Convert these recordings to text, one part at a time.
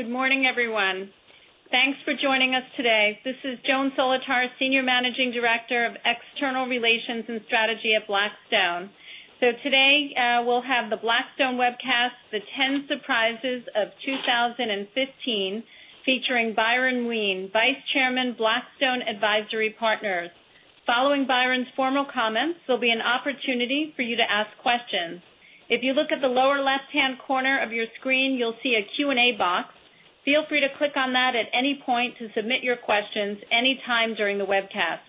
Good morning, everyone. Thanks for joining us today. This is Joan Solotar, Senior Managing Director of External Relations and Strategy at Blackstone. Today, we'll have the Blackstone webcast, "The 10 Surprises of 2015," featuring Byron Wien, Vice Chairman, Blackstone Advisory Partners. Following Byron's formal comments, there'll be an opportunity for you to ask questions. If you look at the lower left-hand corner of your screen, you'll see a Q&A box. Feel free to click on that at any point to submit your questions anytime during the webcast.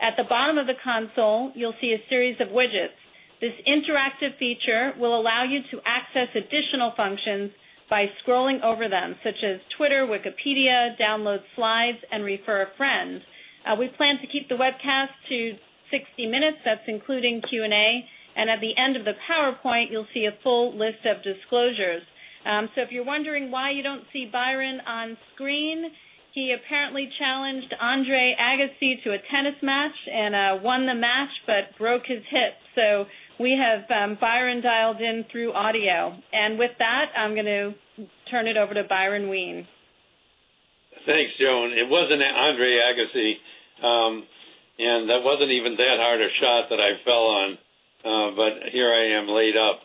At the bottom of the console, you'll see a series of widgets. This interactive feature will allow you to access additional functions by scrolling over them, such as Twitter, Wikipedia, download slides, and refer a friend. We plan to keep the webcast to 60 minutes. That's including Q&A. At the end of the PowerPoint, you'll see a full list of disclosures. If you're wondering why you don't see Byron on screen, he apparently challenged Andre Agassi to a tennis match and won the match but broke his hip. We have Byron dialed in through audio. With that, I'm going to turn it over to Byron Wien. Thanks, Joan. It wasn't Andre Agassi, that wasn't even that hard a shot that I fell on, but here I am laid up.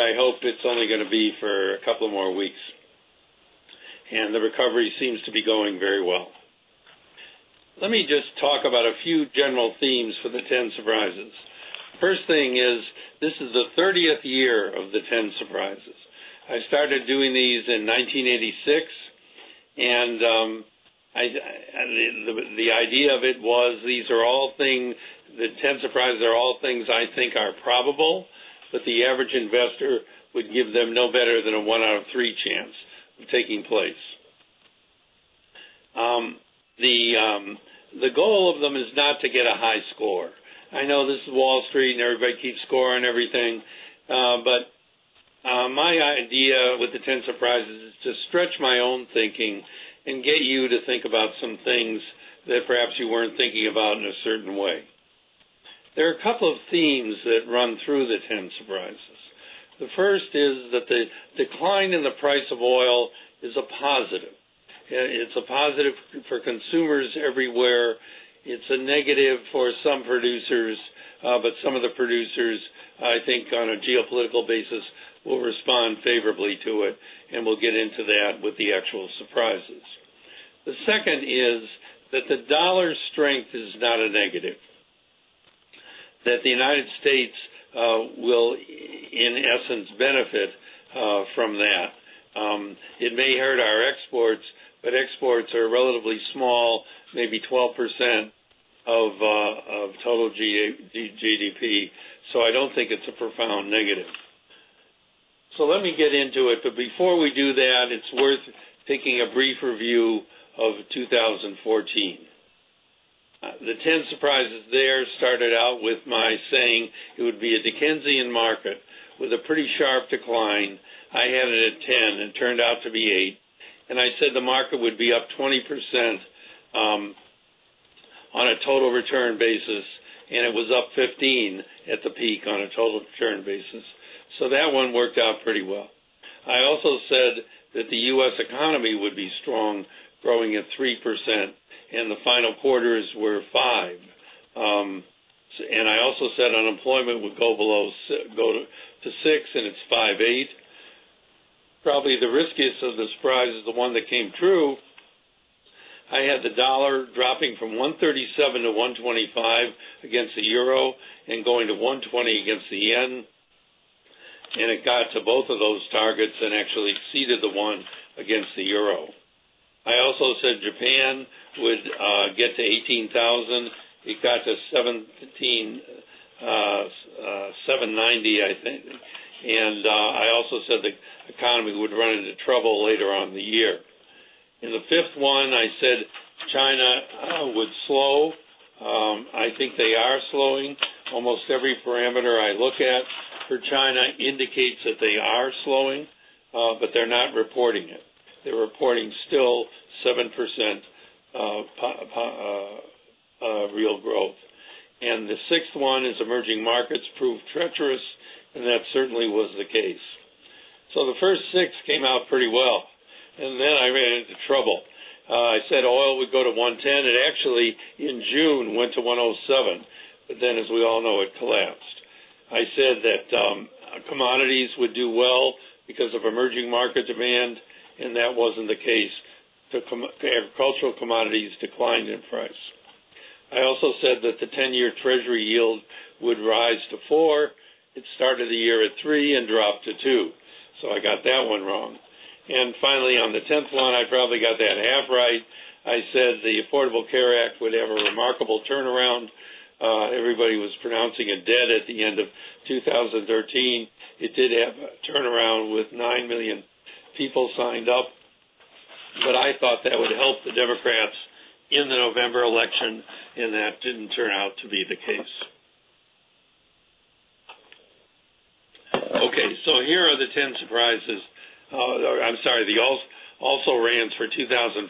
I hope it's only going to be for a couple more weeks, and the recovery seems to be going very well. Let me just talk about a few general themes for the 10 surprises. First thing is, this is the 30th year of the 10 surprises. I started doing these in 1986, the idea of it was the 10 surprises are all things I think are probable, but the average investor would give them no better than a one out of three chance of taking place. The goal of them is not to get a high score. I know this is Wall Street, everybody keeps scoring everything. My idea with the 10 surprises is to stretch my own thinking and get you to think about some things that perhaps you weren't thinking about in a certain way. There are a couple of themes that run through the 10 surprises. The first is that the decline in the price of oil is a positive. It's a positive for consumers everywhere. It's a negative for some producers. Some of the producers, I think on a geopolitical basis, will respond favorably to it, we'll get into that with the actual surprises. The second is that the dollar's strength is not a negative, that the United States will, in essence, benefit from that. It may hurt our exports, but exports are relatively small, maybe 12% of total GDP. I don't think it's a profound negative. Let me get into it. Before we do that, it's worth taking a brief review of 2014. The 10 surprises there started out with my saying it would be a Dickensian market with a pretty sharp decline. I had it at 10, and it turned out to be eight. I also said the market would be up 20% on a total return basis, and it was up 15 at the peak on a total return basis. That one worked out pretty well. I also said that the U.S. economy would be strong, growing at 3%, and the final quarters were five. I also said unemployment would go to six, and it's 5.8%. Probably the riskiest of the surprises is the one that came true. I had the dollar dropping from 137 to 125 against the EUR and going to 120 against the JPY, and it got to both of those targets and actually exceeded the one against the EUR. I also said Japan would get to 18,000. It got to 1790, I think. I also said the economy would run into trouble later on in the year. In the fifth one, I said China would slow. I think they are slowing. Almost every parameter I look at for China indicates that they are slowing, but they're not reporting it. They're reporting still 7% of real growth. The sixth one is emerging markets proved treacherous, and that certainly was the case. The first six came out pretty well, I ran into trouble. I said oil would go to 110. It actually, in June, went to 107. As we all know, it collapsed. I said that commodities would do well because of emerging market demand, and that wasn't the case. The agricultural commodities declined in price. I also said that the 10-year Treasury yield would rise to four. It started the year at three and dropped to two, I got that one wrong. Finally, on the 10th one, I probably got that half right. I said the Affordable Care Act would have a remarkable turnaround. Everybody was pronouncing it dead at the end of 2013. It did have a turnaround with 9 million people signed up, I thought that would help the Democrats in the November election, and that didn't turn out to be the case. Here are the 10 surprises. I'm sorry, the also-rans for 2014.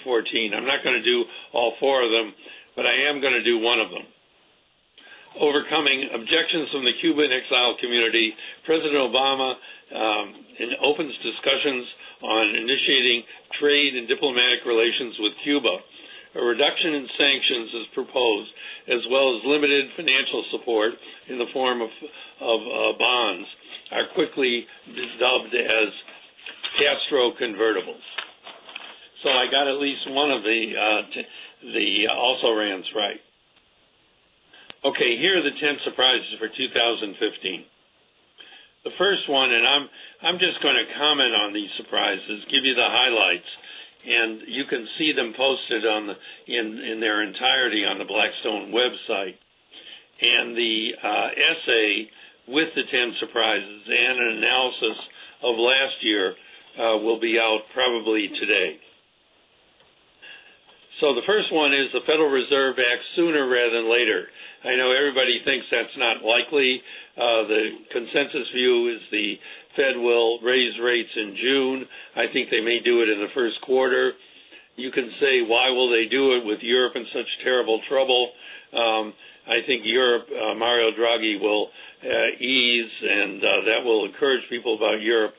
I'm not going to do all four of them, I am going to do one of them. Overcoming objections from the Cuban exile community, President Obama opens discussions on initiating trade and diplomatic relations with Cuba. A reduction in sanctions is proposed, as well as limited financial support in the form of bonds, are quickly dubbed as Castro Convertibles. I got at least one of the also-rans right. Here are the 10 surprises for 2015. The first one, I'm just going to comment on these surprises, give you the highlights, and you can see them posted in their entirety on the Blackstone website. The essay with the 10 surprises and an analysis of last year will be out probably today. The first one is the Federal Reserve acts sooner rather than later. I know everybody thinks that's not likely. The consensus view is the Fed will raise rates in June. I think they may do it in the first quarter. You can say, "Why will they do it with Europe in such terrible trouble?" I think Europe, Mario Draghi will ease and that will encourage people about Europe.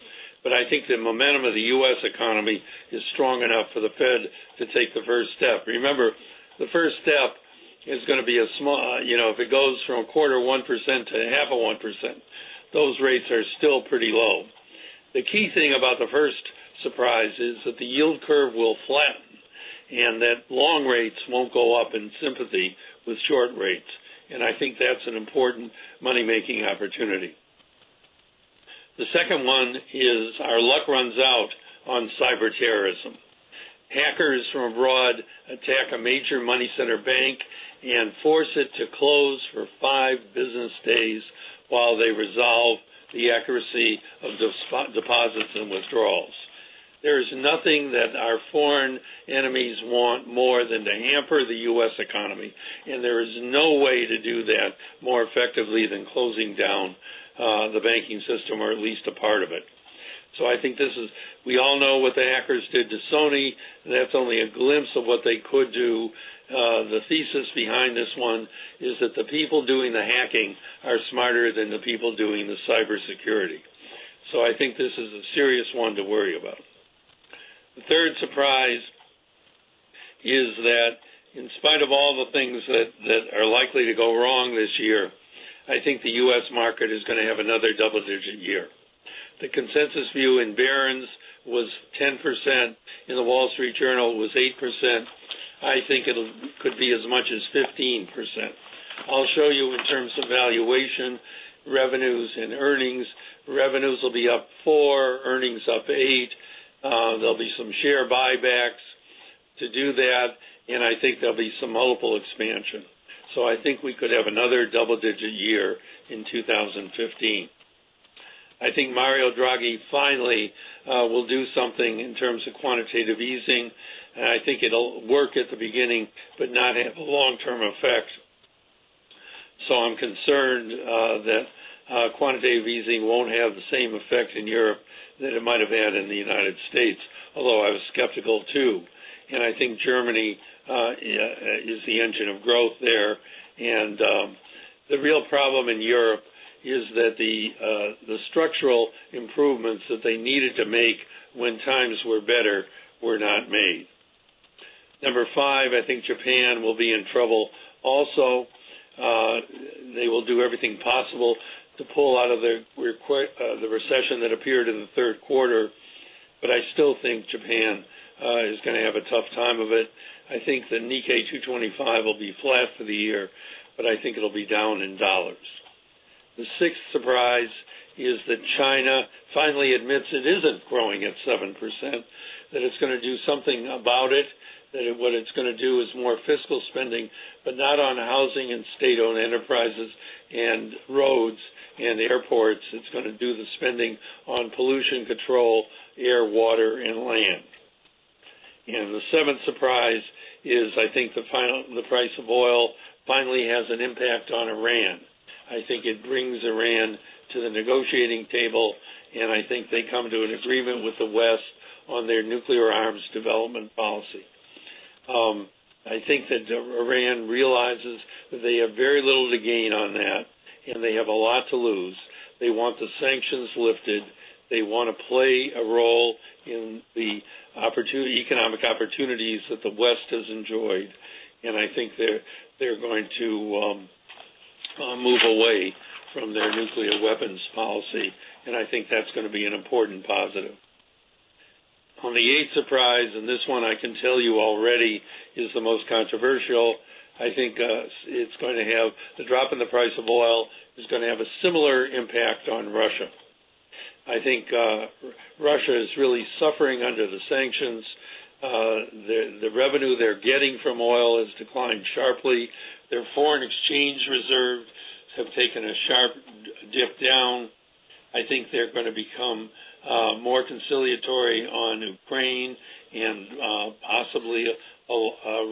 I think the momentum of the U.S. economy is strong enough for the Fed to take the first step. Remember, the first step is going to be. If it goes from a quarter 1% to half of 1%, those rates are still pretty low. The key thing about the first surprise is that the yield curve will flatten, and that long rates won't go up in sympathy with short rates. I think that's an important money-making opportunity. The second one is our luck runs out on cyber terrorism. Hackers from abroad attack a major money center bank and force it to close for five business days while they resolve the accuracy of deposits and withdrawals. There is nothing that our foreign enemies want more than to hamper the U.S. economy, and there is no way to do that more effectively than closing down the banking system, or at least a part of it. I think. We all know what the hackers did to Sony. That's only a glimpse of what they could do. The thesis behind this one is that the people doing the hacking are smarter than the people doing the cybersecurity. I think this is a serious one to worry about. The third surprise is that in spite of all the things that are likely to go wrong this year, I think the U.S. market is going to have another double-digit year. The consensus view in Barron's was 10%, in The Wall Street Journal was 8%. I think it could be as much as 15%. I'll show you in terms of valuation, revenues, and earnings. Revenues will be up four, earnings up eight. There'll be some share buybacks to do that, and I think there'll be some multiple expansion. I think we could have another double-digit year in 2015. I think Mario Draghi finally will do something in terms of quantitative easing. I think it'll work at the beginning but not have a long-term effect. I'm concerned that quantitative easing won't have the same effect in Europe that it might have had in the United States. Although I was skeptical, too. I think Germany is the engine of growth there, and the real problem in Europe is that the structural improvements that they needed to make when times were better were not made. Number five, I think Japan will be in trouble also. They will do everything possible to pull out of the recession that appeared in the third quarter, but I still think Japan is going to have a tough time of it. I think the Nikkei 225 will be flat for the year, but I think it'll be down in U.S. dollars. The sixth surprise is that China finally admits it isn't growing at 7%, that it's going to do something about it, that what it's going to do is more fiscal spending, but not on housing and state-owned enterprises and roads and airports. It's going to do the spending on pollution control, air, water, and land. The seventh surprise is, I think the price of oil finally has an impact on Iran. I think it brings Iran to the negotiating table, I think they come to an agreement with the West on their nuclear arms development policy. I think that Iran realizes that they have very little to gain on that, and they have a lot to lose. They want the sanctions lifted. They want to play a role in the economic opportunities that the West has enjoyed, and I think they're going to move away from their nuclear weapons policy. I think that's going to be an important positive. On the eighth surprise, this one I can tell you already is the most controversial, I think the drop in the price of oil is going to have a similar impact on Russia. I think Russia is really suffering under the sanctions. The revenue they're getting from oil has declined sharply. Their foreign exchange reserves have taken a sharp dip down. I think they're going to become more conciliatory on Ukraine and possibly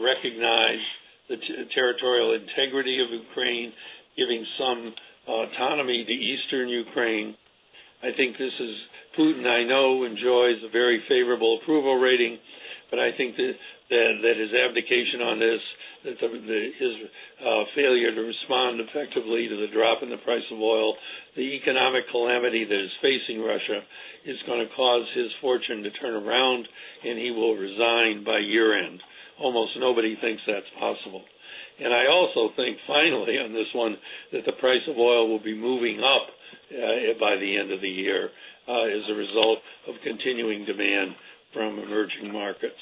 recognize the territorial integrity of Ukraine, giving some autonomy to Eastern Ukraine. I think Putin, I know, enjoys a very favorable approval rating, I think that his abdication on this, his failure to respond effectively to the drop in the price of oil, the economic calamity that is facing Russia, is going to cause his fortune to turn around and he will resign by year-end. Almost nobody thinks that's possible. I also think, finally, on this one, that the price of oil will be moving up by the end of the year as a result of continuing demand from emerging markets.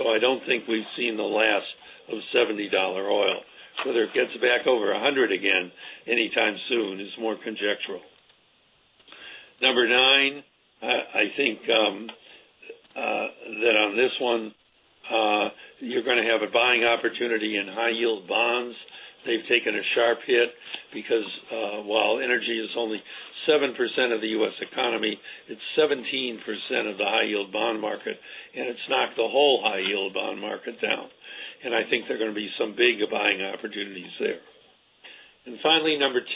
I don't think we've seen the last of $70 oil. Whether it gets back over 100 again anytime soon is more conjectural. Number nine, I think that on this one, you're going to have a buying opportunity in high-yield bonds. They've taken a sharp hit because, while energy is only 7% of the U.S. economy, it's 17% of the high-yield bond market, and it's knocked the whole high-yield bond market down. I think there are going to be some big buying opportunities there. Finally, number 10,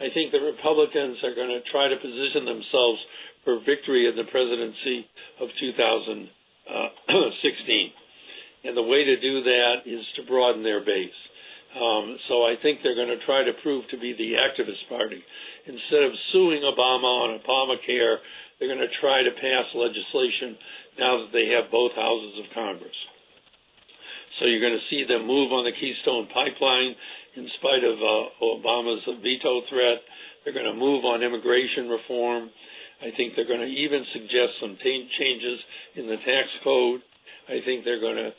I think the Republicans are going to try to position themselves for victory in the presidency of 2016, the way to do that is to broaden their base. I think they're going to try to prove to be the activist party. Instead of suing Obama on Obamacare, they're going to try to pass legislation now that they have both houses of Congress. You're going to see them move on the Keystone Pipeline, in spite of Obama's veto threat. They're going to move on immigration reform. I think they're going to even suggest some changes in the tax code. I think they're going to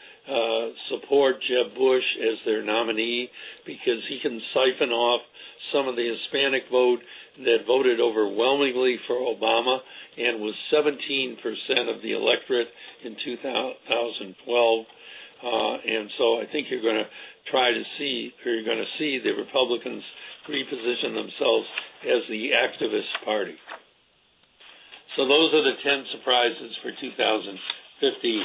support Jeb Bush as their nominee because he can siphon off some of the Hispanic vote that voted overwhelmingly for Obama and was 17% of the electorate in 2012. I think you're going to see the Republicans reposition themselves as the activist party. Those are the 10 surprises for 2015.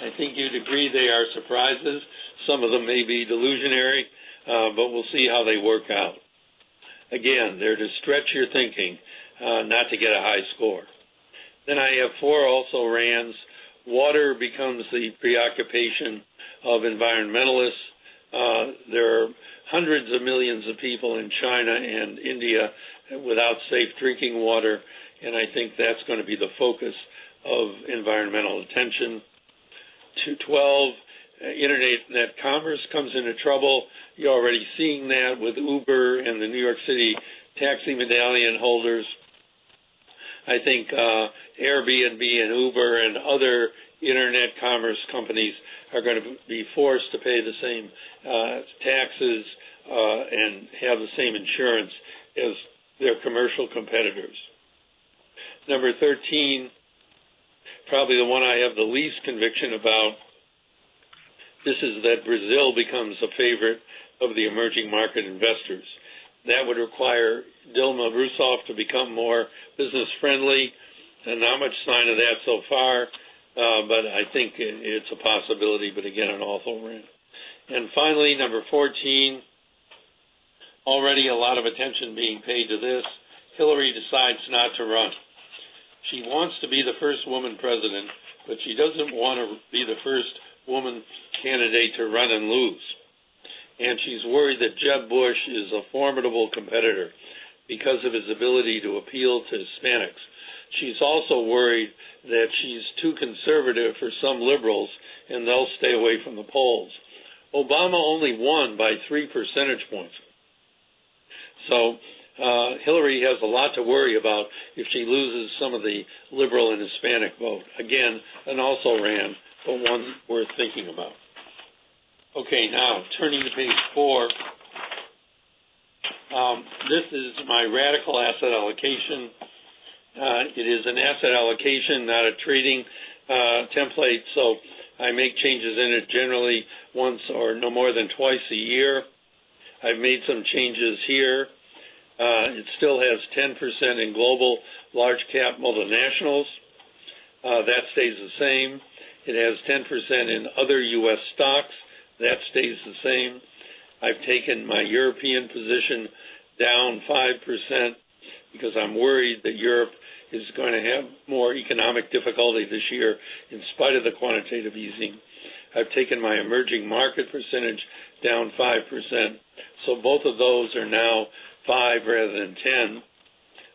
I think you'd agree they are surprises. Some of them may be delusionary, we'll see how they work out. Again, they're to stretch your thinking, not to get a high score. I have four also-rans. Water becomes the preoccupation of environmentalists. There are hundreds of millions of people in China and India without safe drinking water, I think that's going to be the focus of environmental attention. 212, internet commerce comes into trouble. You're already seeing that with Uber and the New York City taxi medallion holders. I think Airbnb and Uber and other internet commerce companies are going to be forced to pay the same taxes, and have the same insurance as their commercial competitors. Number 13, probably the one I have the least conviction about, this is that Brazil becomes a favorite of the emerging market investors. That would require Dilma Rousseff to become more business-friendly, not much sign of that so far. I think it's a possibility, but again, an also-ran. Finally, number 14, already a lot of attention being paid to this, Hillary decides not to run. She wants to be the first woman president, but she doesn't want to be the first woman candidate to run and lose. She's worried that Jeb Bush is a formidable competitor because of his ability to appeal to Hispanics. She's also worried that she's too conservative for some liberals and they'll stay away from the polls. Obama only won by three percentage points. Hillary has a lot to worry about if she loses some of the liberal and Hispanic vote. Again, an also-ran, but one worth thinking about. Okay, now turning to page four. This is my radical asset allocation. It is an asset allocation, not a trading template, so I make changes in it generally once or no more than twice a year. I've made some changes here. It still has 10% in global large-cap multinationals. That stays the same. It has 10% in other U.S. stocks. That stays the same. I've taken my European position down 5% because I'm worried that Europe is going to have more economic difficulty this year in spite of the quantitative easing. I've taken my emerging market percentage down 5%, both of those are now five rather than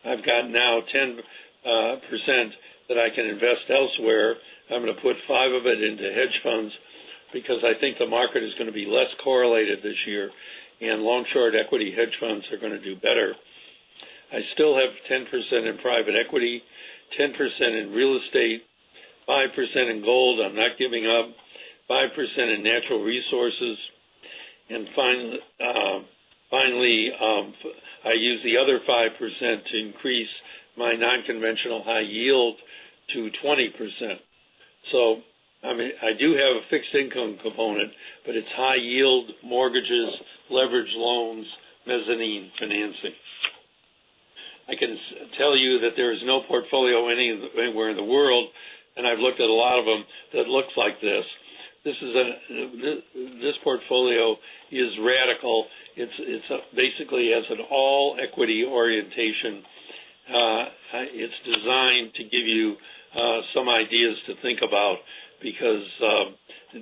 10. I've got now 10% that I can invest elsewhere. I'm going to put five of it into hedge funds because I think the market is going to be less correlated this year, and long-short equity hedge funds are going to do better. I still have 10% in private equity, 10% in real estate, 5% in gold, I'm not giving up, 5% in natural resources. Finally, I use the other 5% to increase my non-conventional high yield to 20%. I do have a fixed income component, but it's high yield, mortgages, leveraged loans, mezzanine financing. I can tell you that there is no portfolio anywhere in the world I've looked at a lot of them that looks like this. This portfolio is radical. It basically has an all-equity orientation. It's designed to give you some ideas to think about because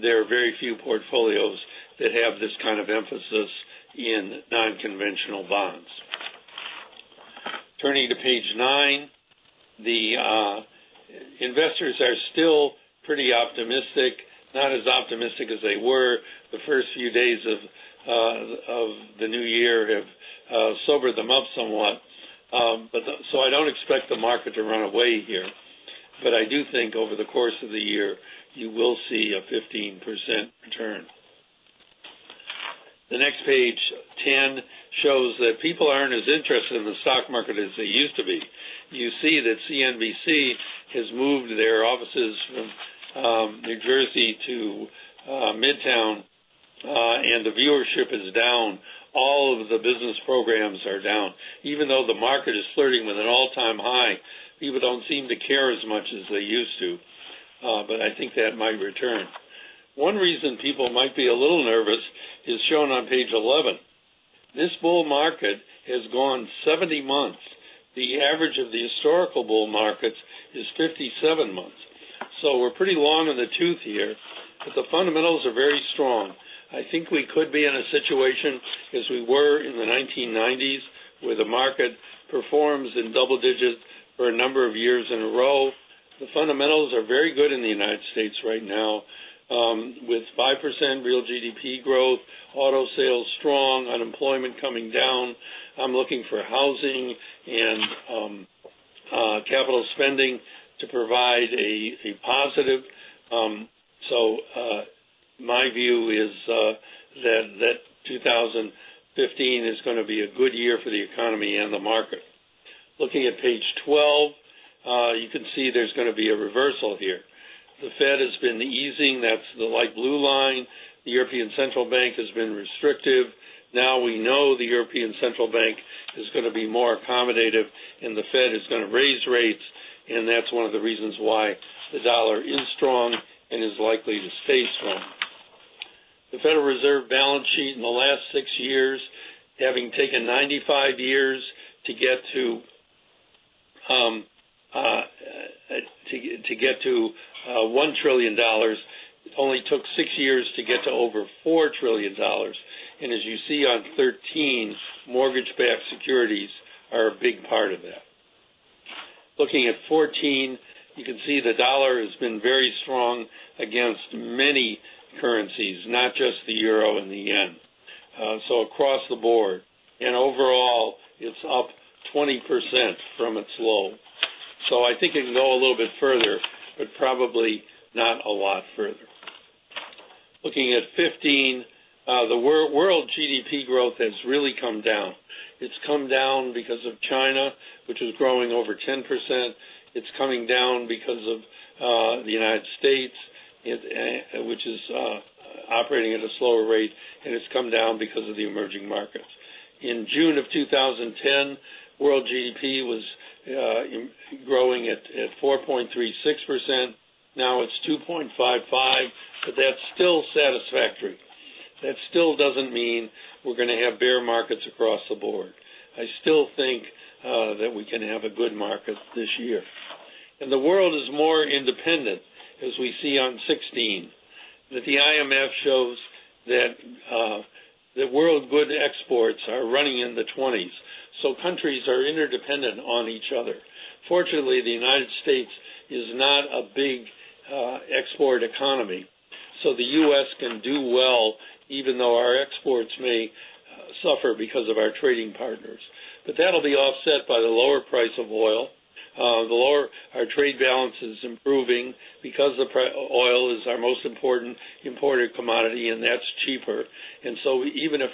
there are very few portfolios that have this kind of emphasis in non-conventional bonds. Turning to page nine, the investors are still pretty optimistic. Not as optimistic as they were. The first few days of the new year have sobered them up somewhat. I don't expect the market to run away here. I do think over the course of the year, you will see a 15% return. The next page, 10, shows that people aren't as interested in the stock market as they used to be. You see that CNBC has moved their offices from New Jersey to Midtown, and the viewership is down. All of the business programs are down. Even though the market is flirting with an all-time high, people don't seem to care as much as they used to. I think that might return. One reason people might be a little nervous is shown on page 11. This bull market has gone 70 months. The average of the historical bull markets is 57 months. We're pretty long in the tooth here, but the fundamentals are very strong. I think we could be in a situation as we were in the 1990s, where the market performs in double digits for a number of years in a row. The fundamentals are very good in the U.S. right now, with 5% real GDP growth, auto sales strong, unemployment coming down. I'm looking for housing and capital spending to provide a positive. My view is that 2015 is going to be a good year for the economy and the market. Looking at page 12, you can see there's going to be a reversal here. The Fed has been easing. That's the light blue line. The European Central Bank has been restrictive. Now we know the European Central Bank is going to be more accommodative, and the Fed is going to raise rates, and that's one of the reasons why the dollar is strong and is likely to stay strong. The Federal Reserve balance sheet in the last six years, having taken 95 years to get to $1 trillion, only took six years to get to over $4 trillion. As you see on 13, mortgage-backed securities are a big part of that. Looking at 14, you can see the dollar has been very strong against many currencies, not just the euro and the yen. Across the board. Overall, it's up 20% from its low. I think it can go a little bit further, but probably not a lot further. Looking at 15, the world GDP growth has really come down. It's come down because of China, which is growing over 10%. It's coming down because of the U.S., which is operating at a slower rate, and it's come down because of the emerging markets. In June of 2010, world GDP was growing at 4.36%. Now it's 2.55%, but that's still satisfactory. That still doesn't mean we're going to have bear markets across the board. I still think that we can have a good market this year. The world is more independent, as we see on 16. The IMF shows that world good exports are running in the 20s, so countries are interdependent on each other. Fortunately, the U.S. is not a big export economy, so the U.S. can do well even though our exports may suffer because of our trading partners. That'll be offset by the lower price of oil. Our trade balance is improving because oil is our most important imported commodity, and that's cheaper. Even if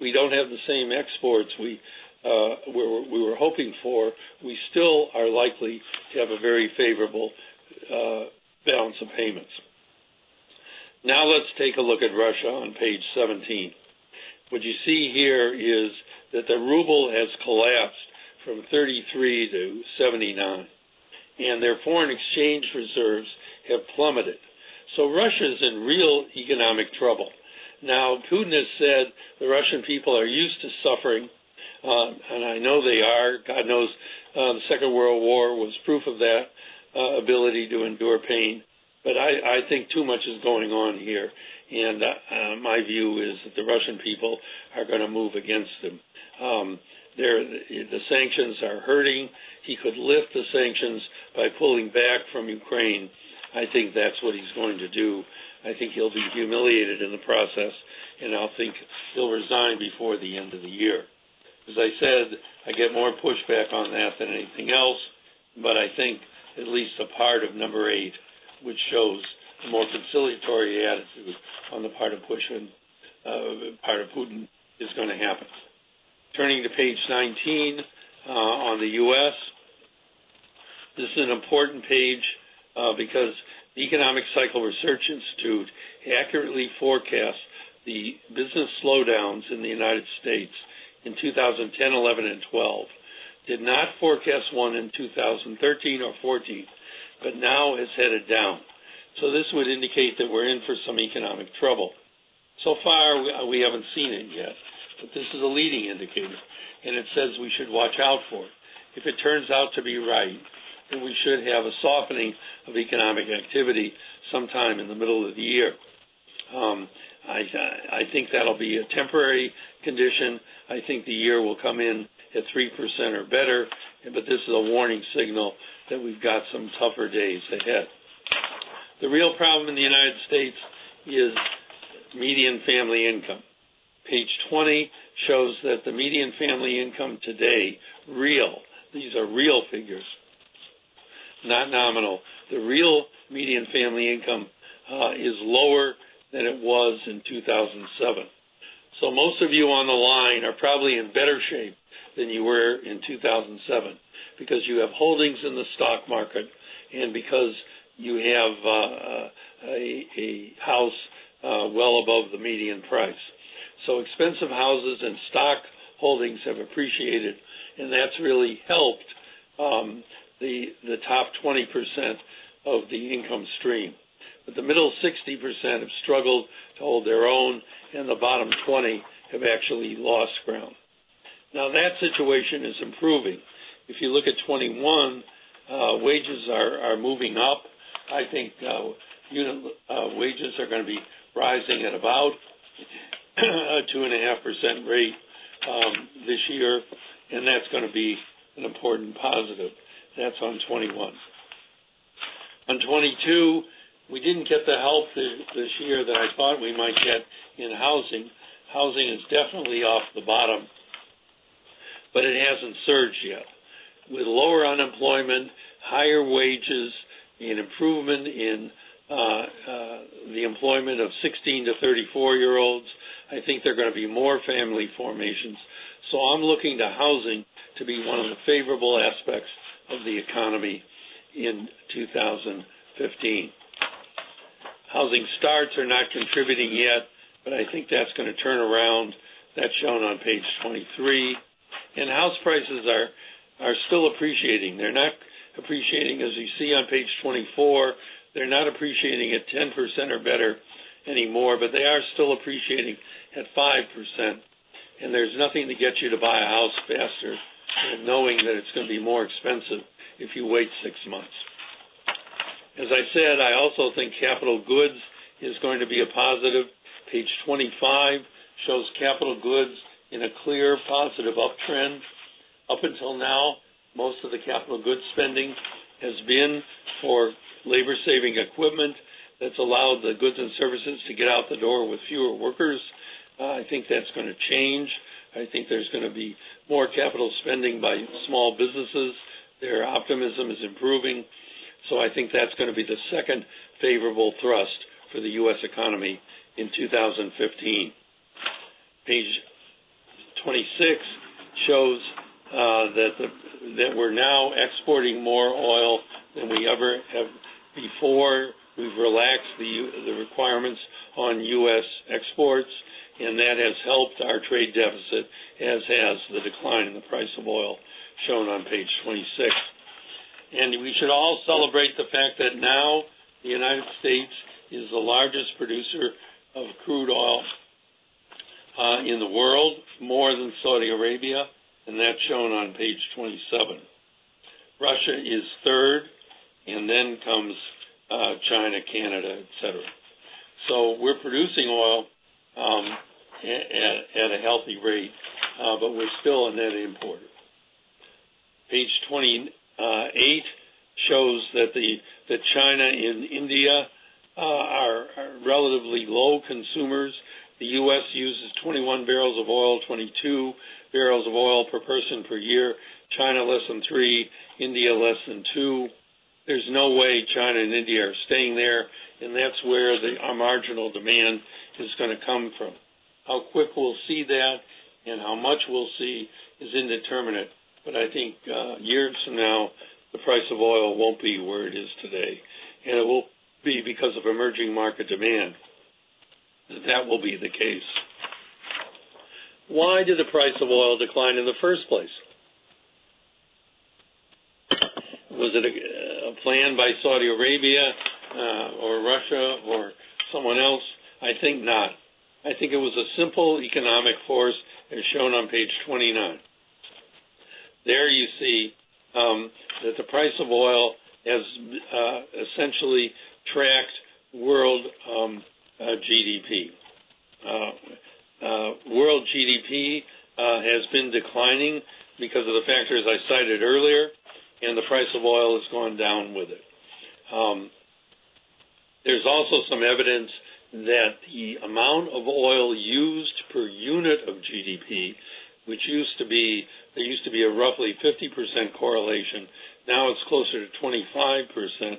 we don't have the same exports we were hoping for, we still are likely to have a very favorable balance of payments. Now let's take a look at Russia on page 17. What you see here is that the ruble has collapsed from 33 to 79, and their foreign exchange reserves have plummeted. Russia's in real economic trouble. Now, Putin has said the Russian people are used to suffering. I know they are. God knows, the Second World War was proof of that ability to endure pain. I think too much is going on here. My view is that the Russian people are going to move against him. The sanctions are hurting. He could lift the sanctions by pulling back from Ukraine. I think that's what he's going to do. I think he'll be humiliated in the process, and I think he'll resign before the end of the year. As I said, I get more pushback on that than anything else, but I think at least a part of number eight, which shows a more conciliatory attitude on the part of Putin, is going to happen. Turning to page 19 on the U.S. This is an important page because the Economic Cycle Research Institute accurately forecasts the business slowdowns in the United States. In 2010, 2011, and 2012, did not forecast one in 2013 or 2014, but now is headed down. This would indicate that we're in for some economic trouble. So far, we haven't seen it yet, but this is a leading indicator, and it says we should watch out for it. If it turns out to be right, then we should have a softening of economic activity sometime in the middle of the year. I think that'll be a temporary condition. I think the year will come in at 3% or better, but this is a warning signal that we've got some tougher days ahead. The real problem in the United States is median family income. Page 20 shows that the median family income today, real, these are real figures, not nominal. The real median family income is lower than it was in 2007. Most of you on the line are probably in better shape than you were in 2007, because you have holdings in the stock market, and because you have a house well above the median price. Expensive houses and stock holdings have appreciated, and that's really helped the top 20% of the income stream. The middle 60% have struggled to hold their own, and the bottom 20% have actually lost ground. Now that situation is improving. If you look at 21, wages are moving up. I think wages are going to be rising at about a 2.5% rate this year. That's going to be an important positive. That's on 21. On 22, we didn't get the help this year that I thought we might get in housing. Housing is definitely off the bottom, but it hasn't surged yet. With lower unemployment, higher wages, and improvement in the employment of 16 to 34-year-olds, I think there are going to be more family formations. I'm looking to housing to be one of the favorable aspects of the economy in 2015. Housing starts are not contributing yet, but I think that's going to turn around. That's shown on page 23. House prices are still appreciating. They're not appreciating, as you see on page 24, they're not appreciating at 10% or better anymore, but they are still appreciating at 5%. There's nothing to get you to buy a house faster than knowing that it's going to be more expensive if you wait six months. As I said, I also think capital goods is going to be a positive. Page 25 shows capital goods in a clear positive uptrend. Up until now, most of the capital goods spending has been for labor-saving equipment that's allowed the goods and services to get out the door with fewer workers. I think that's going to change. I think there's going to be more capital spending by small businesses. Their optimism is improving. I think that's going to be the second favorable thrust for the U.S. economy in 2015. Page 26 shows that we're now exporting more oil than we ever have before. We've relaxed the requirements on U.S. exports, and that has helped our trade deficit, as has the decline in the price of oil, shown on page 26. We should all celebrate the fact that now the United States is the largest producer of crude oil in the world, more than Saudi Arabia, and that's shown on page 27. Russia is third. Then comes China, Canada, et cetera. We're producing oil at a healthy rate, but we're still a net importer. Page 28 shows that China and India are relatively low consumers. The U.S. uses 21 barrels of oil, 22 barrels of oil per person per year. China, less than three. India, less than two. There's no way China and India are staying there, and that's where our marginal demand is going to come from. How quick we'll see that and how much we'll see is indeterminate. I think years from now, the price of oil won't be where it is today. It will be because of emerging market demand that that will be the case. Why did the price of oil decline in the first place? Was it a plan by Saudi Arabia or Russia or someone else? I think not. I think it was a simple economic force, as shown on page 29. There you see that the price of oil has essentially tracked world GDP. World GDP has been declining because of the factors I cited earlier. The price of oil has gone down with it. There's also some evidence that the amount of oil used per unit of GDP, which there used to be a roughly 50% correlation, now it's closer to 25%.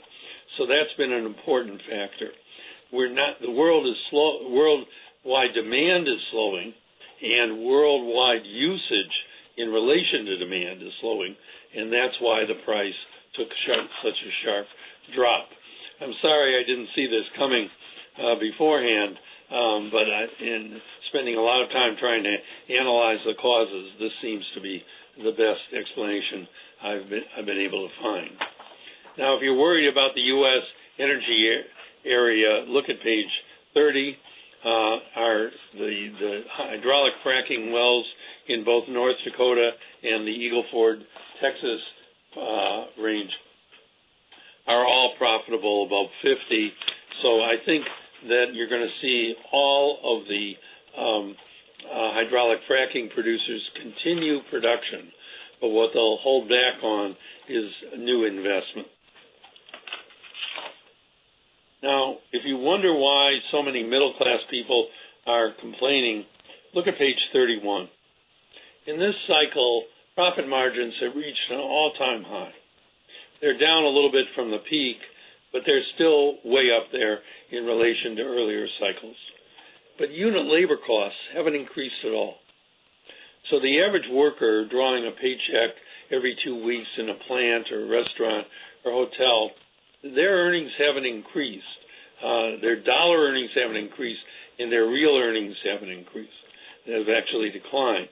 That's been an important factor. Worldwide demand is slowing. Worldwide usage in relation to demand is slowing, and that's why the price took such a sharp drop. I'm sorry I didn't see this coming beforehand. In spending a lot of time trying to analyze the causes, this seems to be the best explanation I've been able to find. If you're worried about the U.S. energy area, look at page 30. The hydraulic fracturing wells in both North Dakota and the Eagle Ford Texas range are all profitable, about 50. I think that you're going to see all of the hydraulic fracturing producers continue production. What they'll hold back on is new investment. If you wonder why so many middle-class people are complaining, look at page 31. In this cycle, profit margins have reached an all-time high. They're down a little bit from the peak, but they're still way up there in relation to earlier cycles. Unit labor costs haven't increased at all. The average worker drawing a paycheck every two weeks in a plant or restaurant or hotel, their earnings haven't increased. Their dollar earnings haven't increased. Their real earnings haven't increased. They have actually declined.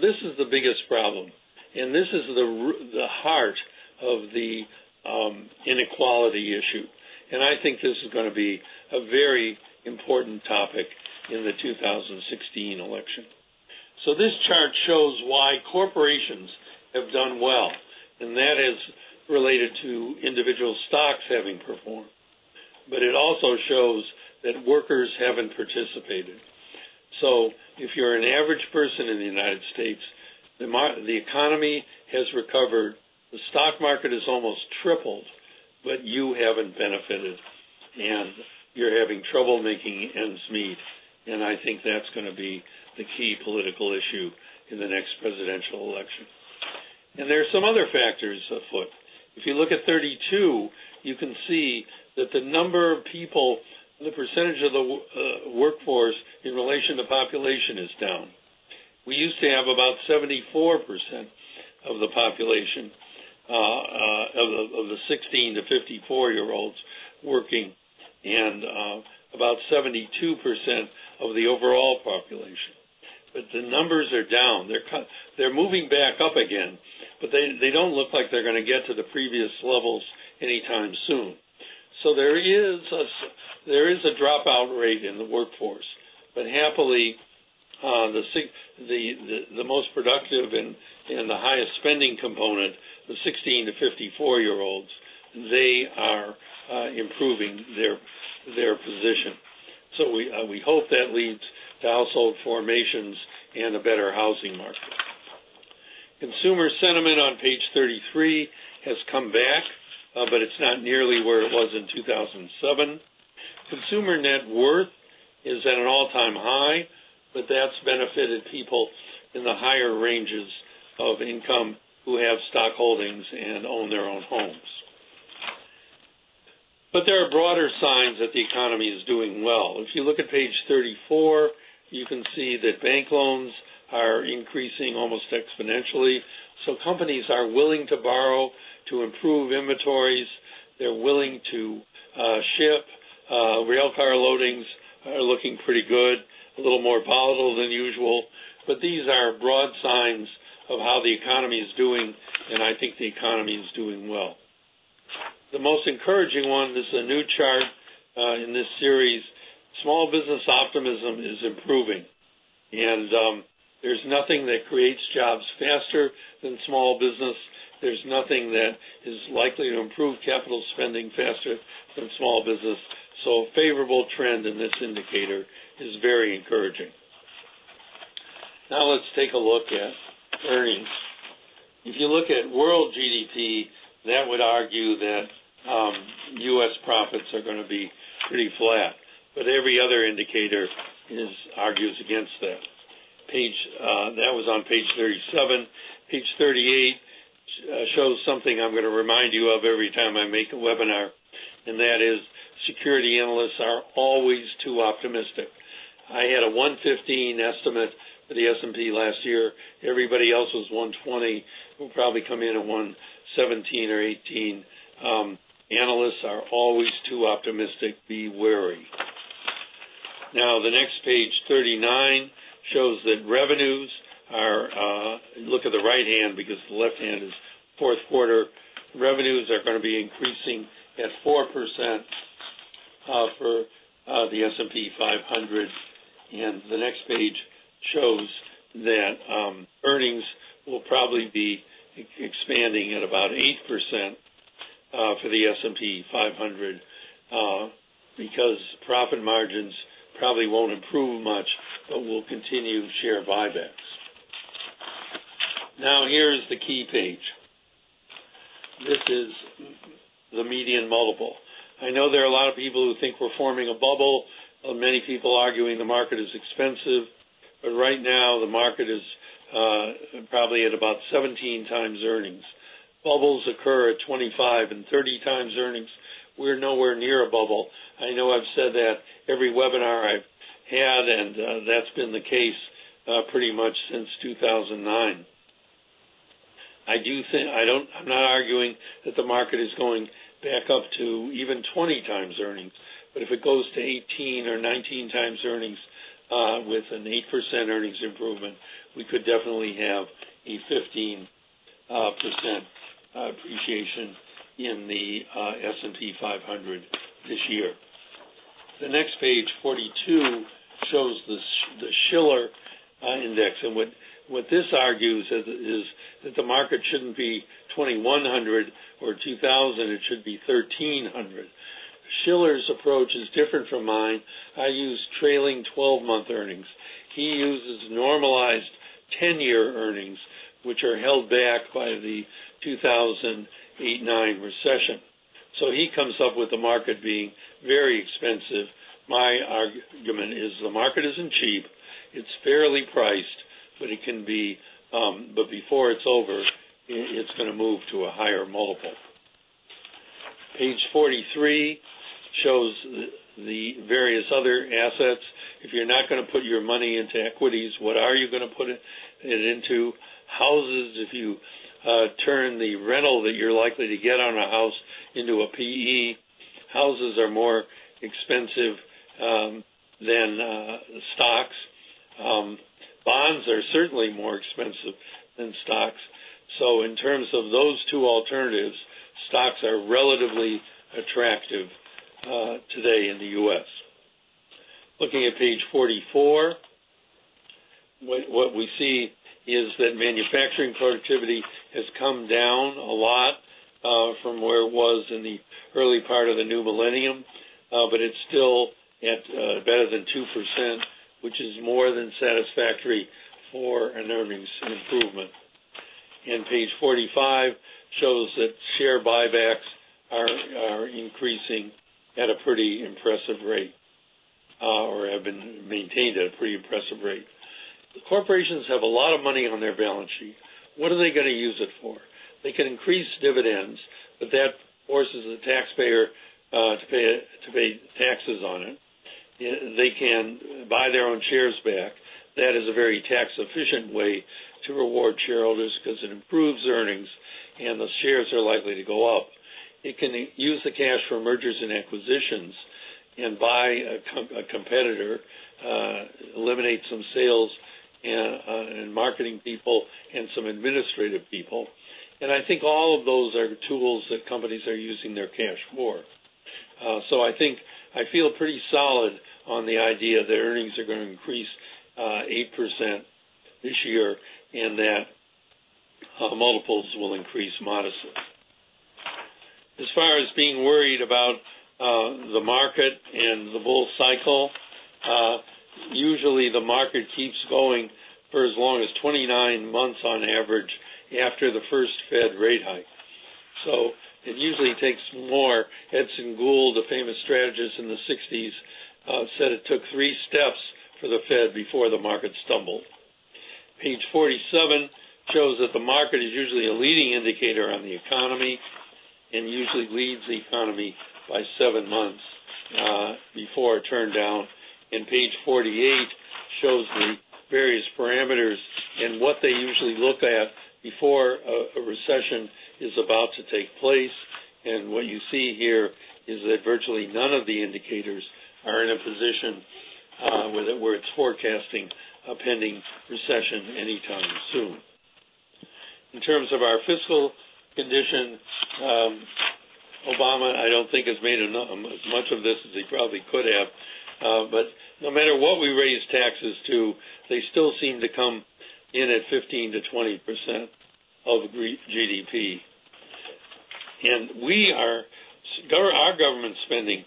This is the biggest problem. This is the heart of the inequality issue. I think this is going to be a very important topic in the 2016 election. This chart shows why corporations have done well, and that is related to individual stocks having performed. It also shows that workers haven't participated. If you're an average person in the U.S., the economy has recovered, the stock market has almost tripled, but you haven't benefited, and you're having trouble making ends meet. I think that's going to be the key political issue in the next presidential election. There are some other factors afoot. If you look at 32, you can see that the number of people, the percentage of the workforce in relation to population is down. We used to have about 74% of the population of the 16 to 54-year-olds working and about 72% of the overall population. The numbers are down. They're moving back up again, but they don't look like they're going to get to the previous levels anytime soon. There is a dropout rate in the workforce. Happily, the most productive and the highest spending component, the 16 to 54-year-olds, they are improving their position. We hope that leads to household formations and a better housing market. Consumer sentiment on page 33 has come back, but it's not nearly where it was in 2007. Consumer net worth is at an all-time high, but that's benefited people in the higher ranges of income who have stock holdings and own their own homes. There are broader signs that the economy is doing well. If you look at page 34, you can see that bank loans are increasing almost exponentially. Companies are willing to borrow to improve inventories. They're willing to ship. Rail car loadings are looking pretty good. A little more volatile than usual. These are broad signs of how the economy is doing, and I think the economy is doing well. The most encouraging one is a new chart in this series. Small business optimism is improving, and there's nothing that creates jobs faster than small business. There's nothing that is likely to improve capital spending faster than small business. Favorable trend in this indicator is very encouraging. Let's take a look at earnings. If you look at world GDP, that would argue that U.S. profits are going to be pretty flat, but every other indicator argues against that. That was on page 37. Page 38 shows something I'm going to remind you of every time I make a webinar, and that is security analysts are always too optimistic. I had a $115 estimate for the S&P last year. Everybody else was $120. We'll probably come in at $117 or $118. Analysts are always too optimistic. Be wary. The next page, 39, shows that revenues are going to be increasing at 4% for the S&P 500. Look at the right hand because the left hand is fourth quarter. The next page shows that earnings will probably be expanding at about 8% for the S&P 500 because profit margins probably won't improve much, but we'll continue share buybacks. Here is the key page. This is the median multiple. I know there are a lot of people who think we're forming a bubble. Many people arguing the market is expensive. Right now, the market is probably at about 17 times earnings. Bubbles occur at 25 and 30 times earnings. We're nowhere near a bubble. I know I've said that every webinar. That's been the case pretty much since 2009. I'm not arguing that the market is going back up to even 20 times earnings, but if it goes to 18 or 19 times earnings with an 8% earnings improvement, we could definitely have a 15% appreciation in the S&P 500 this year. The next page 42 shows the Shiller index, and what this argues is that the market shouldn't be 2,100 or 2,000, it should be 1,300. Shiller's approach is different from mine. I use trailing 12-month earnings. He uses normalized 10-year earnings, which are held back by the 2008-2009 recession. He comes up with the market being very expensive. My argument is the market isn't cheap. It's fairly priced, but before it's over, it's going to move to a higher multiple. Page 43 shows the various other assets. If you're not going to put your money into equities, what are you going to put it into? Houses. If you turn the rental that you're likely to get on a house into a PE, houses are more expensive than stocks. Bonds are certainly more expensive than stocks. In terms of those two alternatives, stocks are relatively attractive today in the U.S. Looking at page 44, what we see is that manufacturing productivity has come down a lot from where it was in the early part of the new millennium. It's still at better than 2%, which is more than satisfactory for an earnings improvement. Page 45 shows that share buybacks are increasing at a pretty impressive rate, or have been maintained at a pretty impressive rate. The corporations have a lot of money on their balance sheet. What are they going to use it for? They can increase dividends, but that forces the taxpayer to pay taxes on it. They can buy their own shares back. That is a very tax-efficient way to reward shareholders because it improves earnings and the shares are likely to go up. It can use the cash for mergers and acquisitions and buy a competitor, eliminate some sales and marketing people and some administrative people. I think all of those are tools that companies are using their cash for. I feel pretty solid on the idea that earnings are going to increase 8% this year and that multiples will increase modestly. As far as being worried about the market and the bull cycle, usually the market keeps going for as long as 29 months on average after the first Fed rate hike. It usually takes more. Edson Gould, the famous strategist in the 1960s, said it took three steps for the Fed before the market stumbled. Page 47 shows that the market is usually a leading indicator on the economy and usually leads the economy by seven months before a turndown. Page 48 shows the various parameters and what they usually look at before a recession is about to take place. What you see here is that virtually none of the indicators are in a position where it's forecasting a pending recession anytime soon. In terms of our fiscal condition, Obama, I don't think has made as much of this as he probably could have. No matter what we raise taxes to, they still seem to come in at 15%-20% of GDP. Our government spending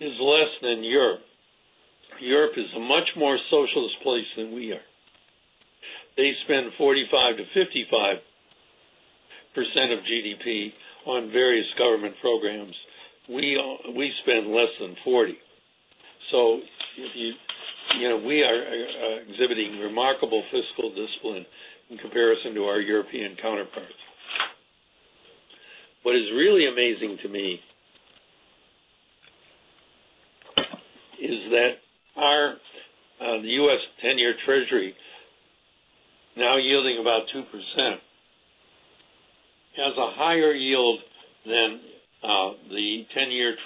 is less than Europe. Europe is a much more socialist place than we are. They spend 45%-55% of GDP on various government programs. We spend less than 40%. We are exhibiting remarkable fiscal discipline in comparison to our European counterparts. What is really amazing to me is that our U.S. 10-year Treasury, now yielding about 2%, has a higher yield than the 10-year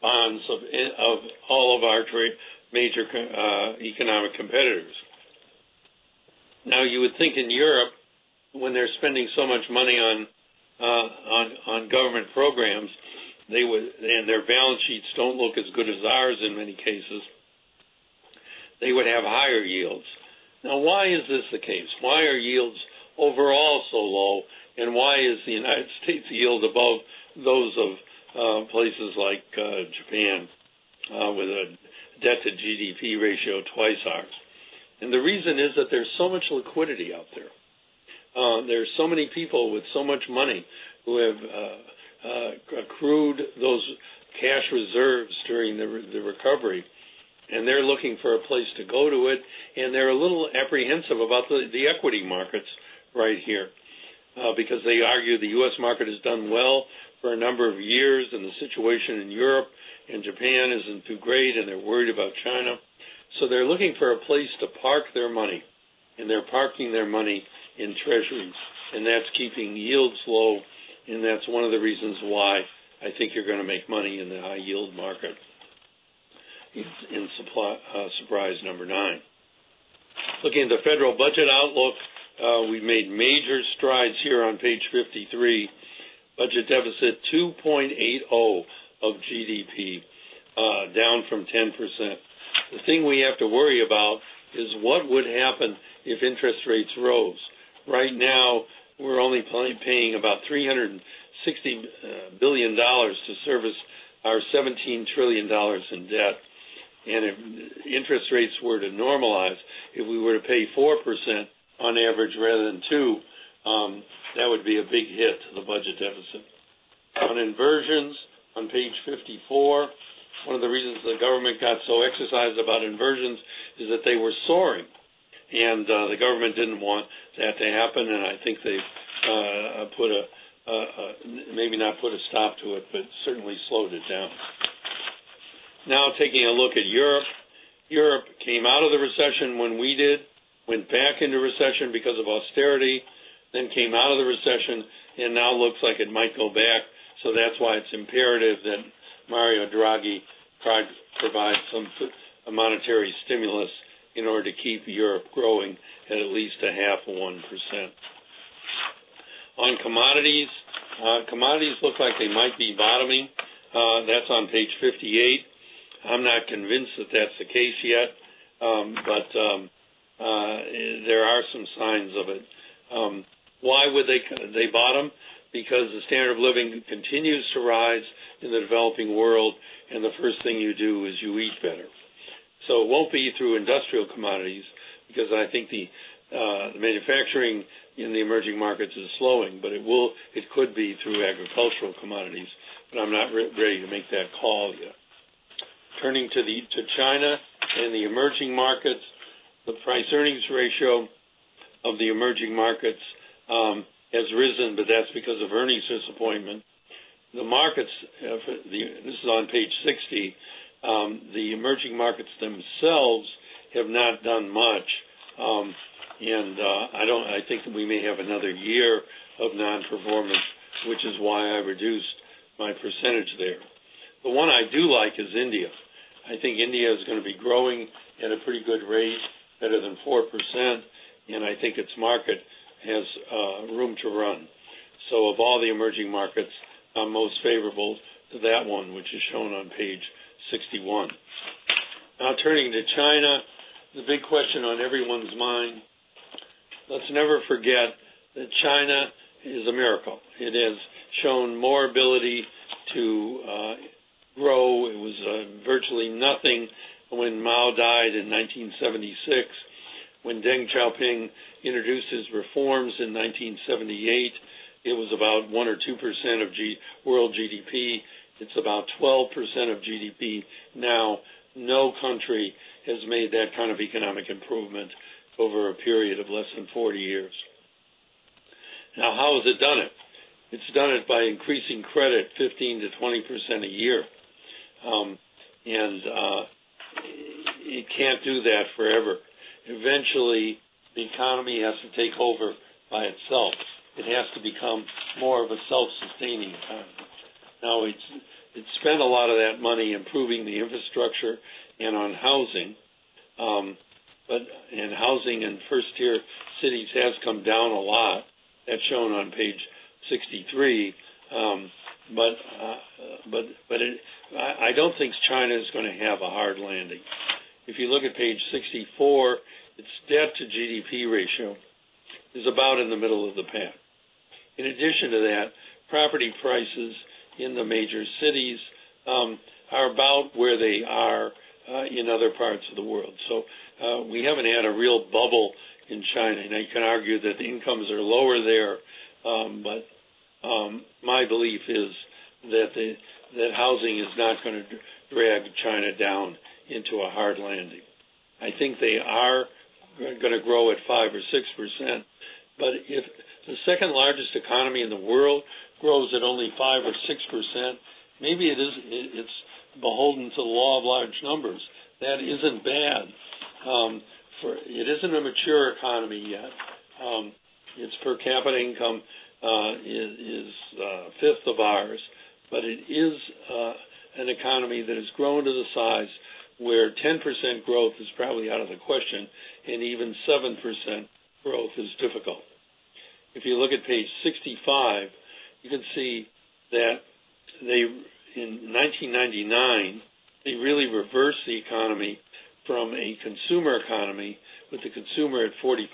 bonds of all of our major economic competitors. You would think in Europe, when they're spending so much money on government programs, and their balance sheets don't look as good as ours in many cases, they would have higher yields. Why is this the case? Why are yields overall so low, and why is the United States yield above those of places like Japan, with a debt-to-GDP ratio twice ours? The reason is that there's so much liquidity out there. There's so many people with so much money who have accrued those cash reserves during the recovery. They're looking for a place to go to it. They're a little apprehensive about the equity markets right here. They argue the U.S. market has done well for a number of years. The situation in Europe and Japan isn't too great. They're worried about China. They're looking for a place to park their money. They're parking their money in treasuries. That's keeping yields low. That's one of the reasons why I think you're going to make money in the high yield market in surprise number nine. Looking at the federal budget outlook, we've made major strides here on page 53. Budget deficit 2.80% of GDP, down from 10%. The thing we have to worry about is what would happen if interest rates rose. Right now, we're only paying about $360 billion to service our $17 trillion in debt. If interest rates were to normalize, if we were to pay 4% on average rather than two, that would be a big hit to the budget deficit. On inversions, on page 54, one of the reasons the government got so exercised about inversions is that they were soaring, and the government didn't want that to happen, and I think they've, maybe not put a stop to it, but certainly slowed it down. Taking a look at Europe. Europe came out of the recession when we did, went back into recession because of austerity, then came out of the recession, and now looks like it might go back. That's why it's imperative that Mario Draghi provide some monetary stimulus in order to keep Europe growing at least a half of 1%. On commodities. Commodities look like they might be bottoming. That's on page 58. I'm not convinced that that's the case yet, but there are some signs of it. Why would they bottom? The standard of living continues to rise in the developing world. The first thing you do is you eat better. It won't be through industrial commodities because I think the manufacturing in the emerging markets is slowing. It could be through agricultural commodities, but I'm not ready to make that call yet. Turning to China and the emerging markets. The price-earnings ratio of the emerging markets has risen, but that's because of earnings disappointment. The markets, this is on page 60, the emerging markets themselves have not done much. I think that we may have another year of non-performance, which is why I reduced my percentage there. The one I do like is India. I think India is going to be growing at a pretty good rate, better than 4%, and I think its market has room to run. Of all the emerging markets, I'm most favorable to that one, which is shown on page 61. Turning to China, the big question on everyone's mind. Let's never forget that China is a miracle. It has shown more ability to grow. It was virtually nothing when Mao died in 1976. When Deng Xiaoping introduced his reforms in 1978, it was about 1% or 2% of world GDP. It's about 12% of GDP now. No country has made that kind of economic improvement over a period of less than 40 years. How has it done it? It's done it by increasing credit 15%-20% a year. You can't do that forever. Eventually, the economy has to take over by itself. It has to become more of a self-sustaining economy. It's spent a lot of that money improving the infrastructure and on housing. Housing in first-tier cities has come down a lot. That's shown on page 63. I don't think China's going to have a hard landing. If you look at page 64, its debt-to-GDP ratio is about in the middle of the pack. In addition to that, property prices in the major cities are about where they are in other parts of the world. We haven't had a real bubble in China. I can argue that the incomes are lower there, but my belief is that housing is not going to drag China down into a hard landing. I think they are going to grow at 5% or 6%, but if the second-largest economy in the world grows at only 5% or 6%, maybe it's beholden to the law of large numbers. That isn't bad. It isn't a mature economy yet. Its per capita income is a fifth of ours, but it is an economy that has grown to the size where 10% growth is probably out of the question and even 7% growth is difficult. If you look at page 65, you can see that in 1999, they really reversed the economy from a consumer economy, with the consumer at 45%,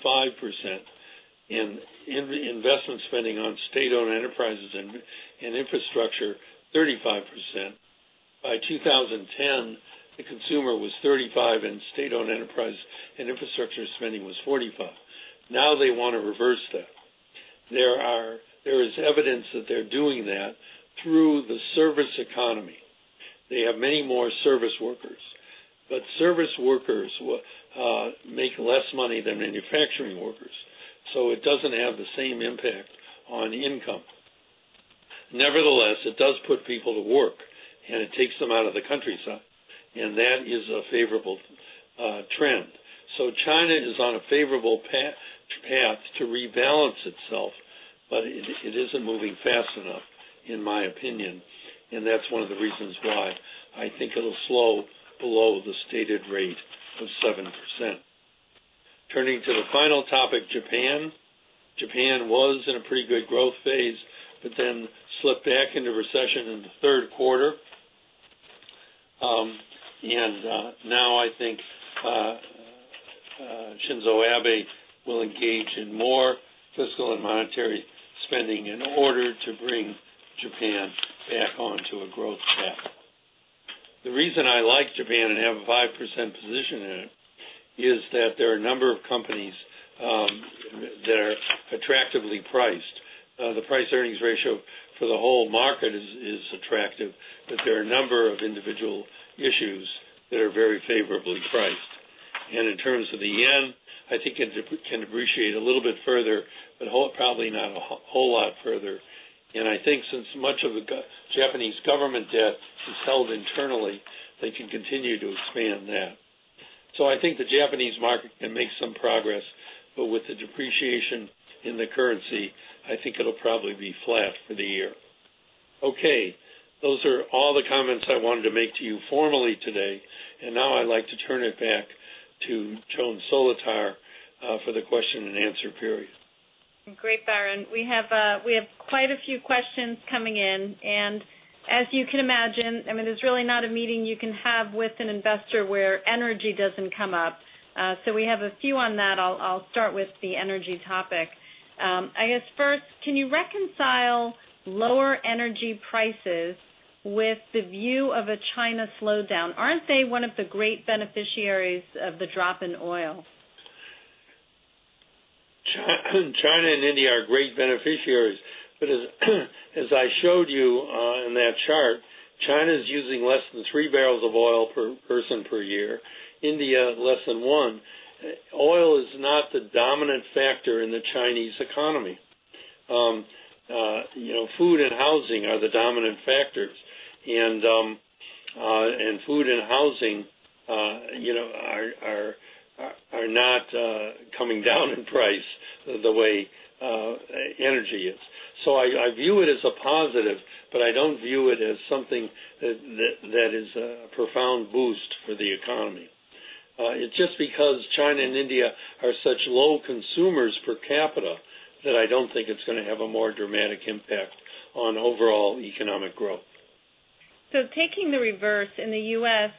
and investment spending on state-owned enterprises and infrastructure 35%. By 2010, the consumer was 35%, and state-owned enterprise and infrastructure spending was 45%. They want to reverse that. There is evidence that they're doing that through the service economy. They have many more service workers. Service workers make less money than manufacturing workers, so it doesn't have the same impact on income. Nevertheless, it does put people to work, and it takes them out of the countryside, and that is a favorable trend. China is on a favorable path to rebalance itself, but it isn't moving fast enough, in my opinion, and that's one of the reasons why I think it'll slow below the stated rate of 7%. Turning to the final topic, Japan. Japan was in a pretty good growth phase, but then slipped back into recession in the third quarter. I think Shinzo Abe will engage in more fiscal and monetary spending in order to bring Japan back onto a growth path. The reason I like Japan and have a 5% position in it is that there are a number of companies that are attractively priced. The price-earnings ratio for the whole market is attractive, but there are a number of individual issues that are very favorably priced. In terms of the yen, I think it can depreciate a little bit further, but probably not a whole lot further. I think since much of the Japanese government debt is held internally, they can continue to expand that. I think the Japanese market can make some progress, but with the depreciation in the currency, I think it'll probably be flat for the year. Okay. Those are all the comments I wanted to make to you formally today. Now I'd like to turn it back to Joan Solotar for the question and answer period. Great, Byron. We have quite a few questions coming in, as you can imagine, there's really not a meeting you can have with an investor where energy doesn't come up. We have a few on that. I'll start with the energy topic. I guess first, can you reconcile lower energy prices with the view of a China slowdown? Aren't they one of the great beneficiaries of the drop in oil? China and India are great beneficiaries. As I showed you on that chart, China's using less than three barrels of oil per person per year. India, less than one. Oil is not the dominant factor in the Chinese economy. Food and housing are the dominant factors. Food and housing are not coming down in price the way energy is. I view it as a positive, but I don't view it as something that is a profound boost for the economy. It's just because China and India are such low consumers per capita that I don't think it's going to have a more dramatic impact on overall economic growth. Taking the reverse, in the U.S.,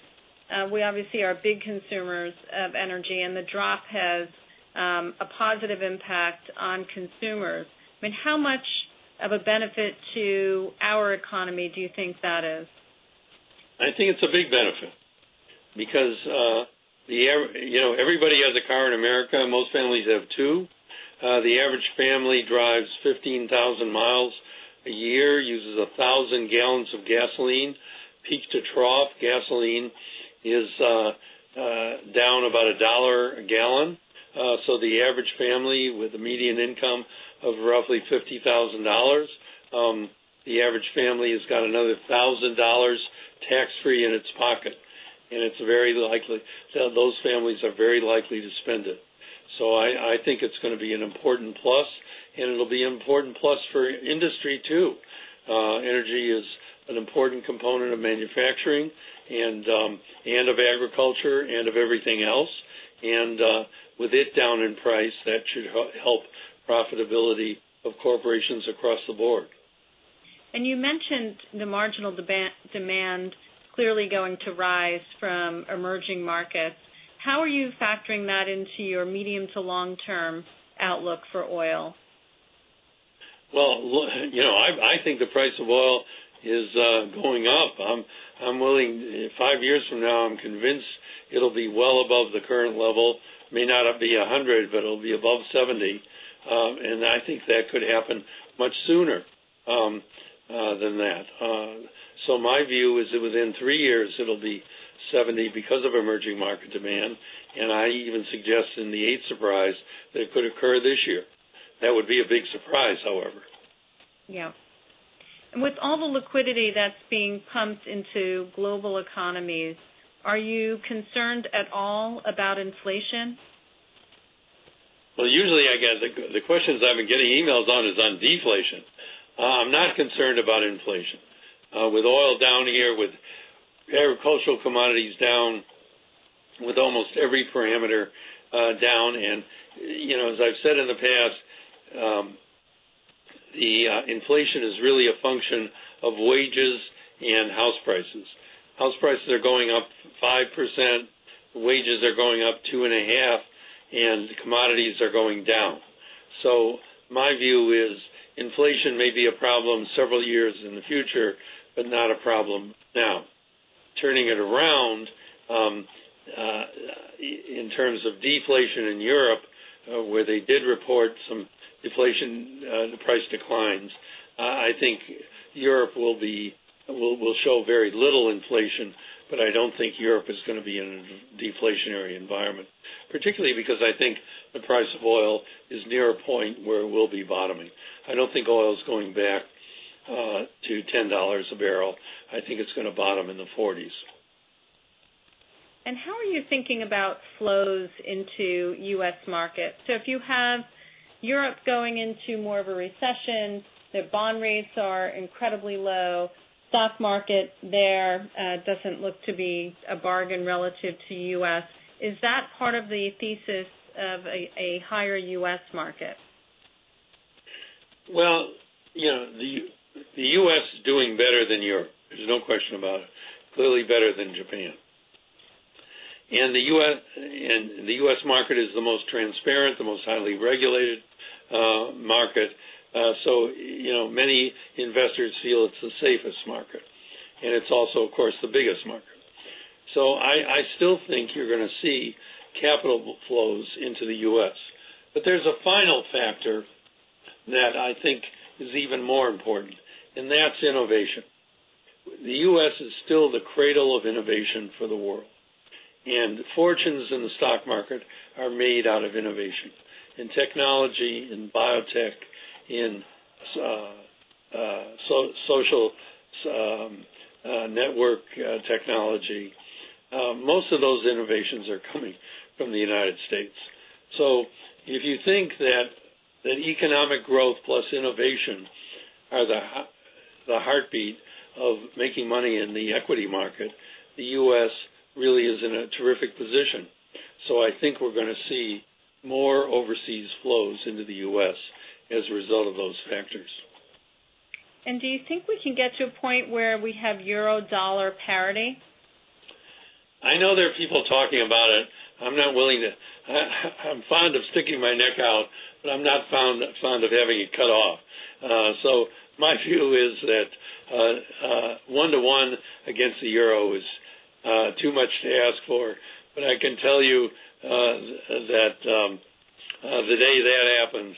we obviously are big consumers of energy, and the drop has a positive impact on consumers. How much of a benefit to our economy do you think that is? I think it's a big benefit because everybody has a car in America. Most families have two. The average family drives 15,000 miles a year, uses 1,000 gallons of gasoline. Peak to trough, gasoline is down about a dollar a gallon. The average family with a median income of roughly $50,000, the average family has got another $1,000 tax-free in its pocket. Those families are very likely to spend it. I think it's going to be an important plus, and it'll be an important plus for industry too. Energy is an important component of manufacturing and of agriculture and of everything else. With it down in price, that should help profitability of corporations across the board. You mentioned the marginal demand clearly going to rise from emerging markets. How are you factoring that into your medium to long-term outlook for oil? Well, I think the price of oil is going up. Five years from now, I'm convinced it'll be well above the current level. May not be 100, but it'll be above 70. I think that could happen much sooner than that. My view is that within three years it'll be 70 because of emerging market demand, and I even suggest in the eighth surprise that it could occur this year. That would be a big surprise, however. Yeah. With all the liquidity that's being pumped into global economies, are you concerned at all about inflation? Well, usually, I guess the questions I've been getting emails on is on deflation. I'm not concerned about inflation. With oil down here, with agricultural commodities down, with almost every parameter down, and as I've said in the past, the inflation is really a function of wages and house prices. House prices are going up 5%, wages are going up two and a half, and commodities are going down. My view is inflation may be a problem several years in the future, but not a problem now. Turning it around, in terms of deflation in Europe, where they did report some deflation, the price declines I think Europe will show very little inflation, but I don't think Europe is going to be in a deflationary environment, particularly because I think the price of oil is near a point where it will be bottoming. I don't think oil is going back to $10 a barrel. I think it's going to bottom in the $40s. How are you thinking about flows into U.S. markets? If you have Europe going into more of a recession, the bond rates are incredibly low, stock market there doesn't look to be a bargain relative to U.S. Is that part of the thesis of a higher U.S. market? Well, the U.S. is doing better than Europe. There's no question about it. Clearly better than Japan. The U.S. market is the most transparent, the most highly regulated market. Many investors feel it's the safest market, and it's also, of course, the biggest market. I still think you're going to see capital flows into the U.S. There's a final factor that I think is even more important, and that's innovation. The U.S. is still the cradle of innovation for the world. Fortunes in the stock market are made out of innovations. In technology, in biotech, in social network technology, most of those innovations are coming from the United States. If you think that economic growth plus innovation are the heartbeat of making money in the equity market, the U.S. really is in a terrific position. I think we're going to see more overseas flows into the U.S. as a result of those factors. Do you think we can get to a point where we have Euro dollar parity? I know there are people talking about it. I'm fond of sticking my neck out, but I'm not fond of having it cut off. My view is that one to one against the Euro is too much to ask for. I can tell you that the day that happens,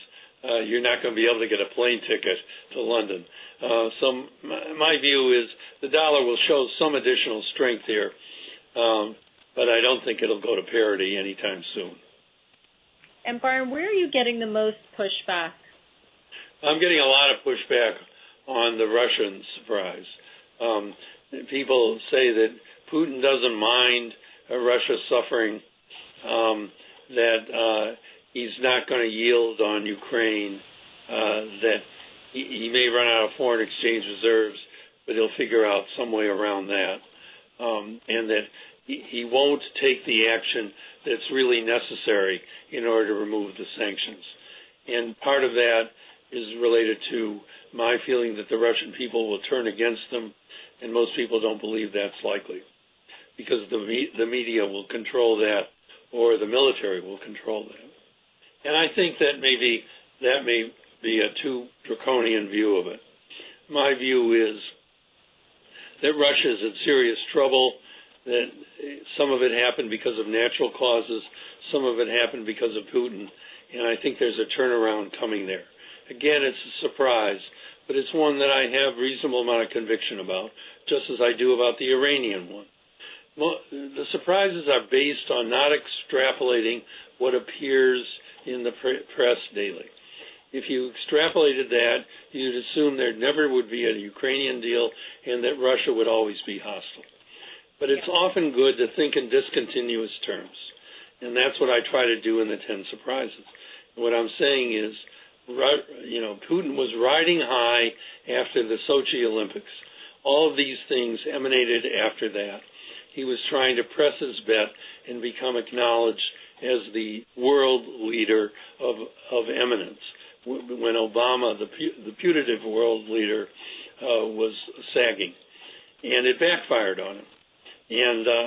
you're not going to be able to get a plane ticket to London. My view is the dollar will show some additional strength here, but I don't think it'll go to parity anytime soon. Byron, where are you getting the most pushback? I'm getting a lot of pushback on the Russian surprise. People say that Putin doesn't mind Russia suffering, that he's not going to yield on Ukraine, that he may run out of foreign exchange reserves, but he'll figure out some way around that, and that he won't take the action that's really necessary in order to remove the sanctions. Part of that is related to my feeling that the Russian people will turn against him, and most people don't believe that's likely because the media will control that, or the military will control that. I think that may be a too draconian view of it. My view is that Russia is in serious trouble, that some of it happened because of natural causes, some of it happened because of Putin, and I think there's a turnaround coming there. Again, it's a surprise. It's one that I have reasonable amount of conviction about, just as I do about the Iranian one. The surprises are based on not extrapolating what appears in the press daily. If you extrapolated that, you'd assume there never would be a Ukrainian deal and that Russia would always be hostile. Yeah. It's often good to think in discontinuous terms, and that's what I try to do in the 10 surprises. What I'm saying is Putin was riding high after the Sochi Olympics. All of these things emanated after that. He was trying to press his bet and become acknowledged as the world leader of eminence when Obama, the putative world leader, was sagging, and it backfired on him.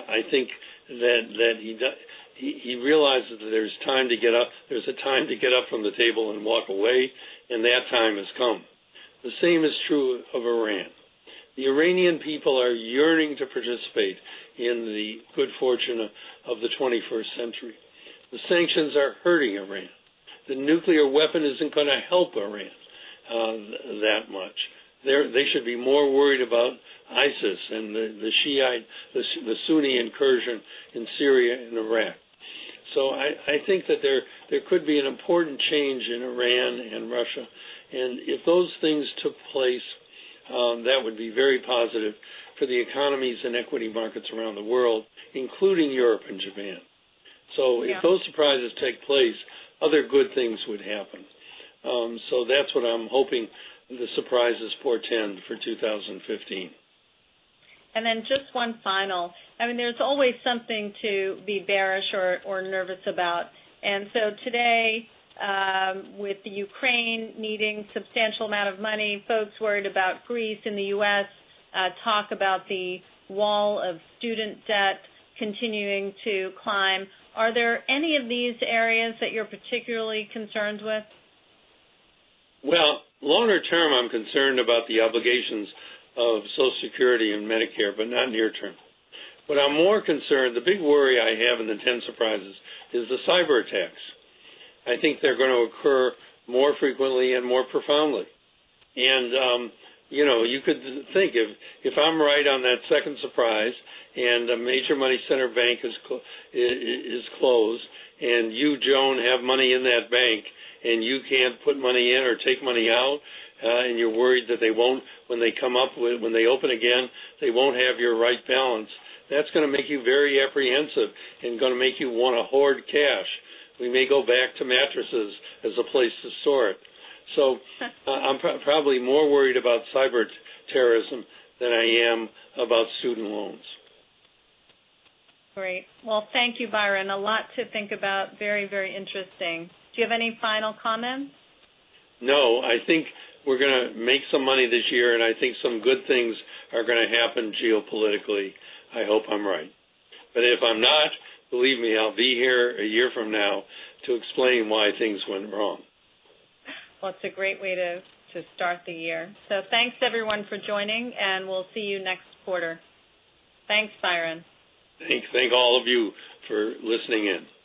I think that he realizes there's a time to get up from the table and walk away, and that time has come. The same is true of Iran. The Iranian people are yearning to participate in the good fortune of the 21st century. The sanctions are hurting Iran. The nuclear weapon isn't going to help Iran that much. They should be more worried about ISIS and the Sunni incursion in Syria and Iraq. I think that there could be an important change in Iran and Russia, if those things took place, that would be very positive for the economies and equity markets around the world, including Europe and Japan. Yeah. If those surprises take place, other good things would happen. That's what I'm hoping the surprise is for 10 for 2015. Just one final. There's always something to be bearish or nervous about. Today, with the Ukraine needing substantial amount of money, folks worried about Greece and the U.S. talk about the wall of student debt continuing to climb. Are there any of these areas that you're particularly concerned with? Well, longer term, I'm concerned about the obligations of Social Security and Medicare, but not near term. What I'm more concerned, the big worry I have in the 10 surprises is the cyberattacks. I think they're going to occur more frequently and more profoundly. You could think, if I'm right on that second surprise, and a major money center bank is closed, and you, Joan, have money in that bank, and you can't put money in or take money out, and you're worried that when they open again, they won't have your right balance, that's going to make you very apprehensive and going to make you want to hoard cash. We may go back to mattresses as a place to store it. I'm probably more worried about cyber terrorism than I am about student loans. Great. Well, thank you, Byron. A lot to think about. Very interesting. Do you have any final comments? I think we're going to make some money this year, and I think some good things are going to happen geopolitically. I hope I'm right. If I'm not, believe me, I'll be here a year from now to explain why things went wrong. Well, it's a great way to start the year. Thanks everyone for joining, and we'll see you next quarter. Thanks, Byron. Thanks. Thank all of you for listening in.